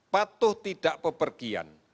patuh tidak pepergian